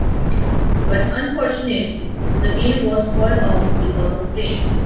But unfortunately, the game was called off because of rain.